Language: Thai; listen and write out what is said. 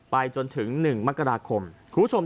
ไปจนถึง๑มกรคม